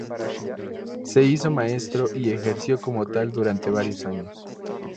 Se hizo maestro y ejerció como tal durante varios años.